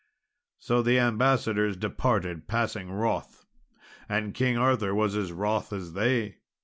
So the ambassadors departed passing wroth, and King Arthur was as wroth as they.